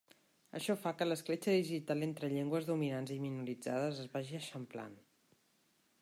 Això fa que l'escletxa digital entre llengües dominants i minoritzades es vagi eixamplant.